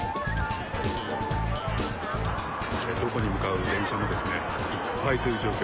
どこに向かう電車もいっぱいという状況。